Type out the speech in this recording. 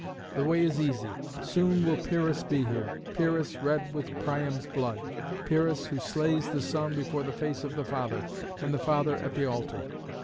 The way is easy; soon will Pyrrhus be here; Pyrrhus, red with Priam's blood; Pyrrhus, who slays the son before the face of the father, and the father at the altar.